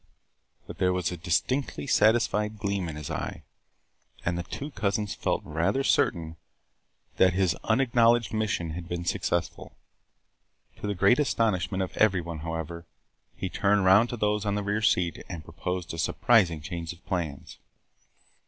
But there was a distinctly satisfied gleam in his eye, and the two cousins felt rather certain that his unacknowledged mission had been successful. To the great astonishment of every one, however, he turned round to those on the rear seat and proposed a surprising change of plans.